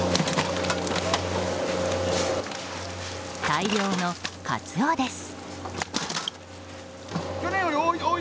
大量のカツオです。